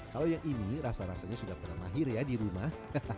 kalau yang ini rasa rasanya sudah pernah mahir ya di rumah